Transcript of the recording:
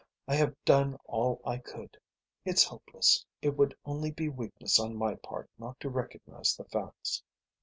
I have done all I could. It's hopeless. It would only be weakness on my part not to recognise the facts.